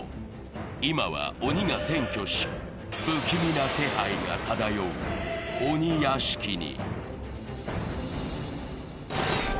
今は鬼が占拠し、不気味な気配が漂う鬼屋敷に。